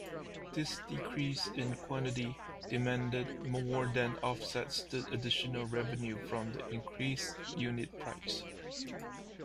This decrease in quantity-demanded more than offsets the additional revenue from the increased unit-price.